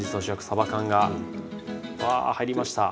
さば缶がわあ入りました。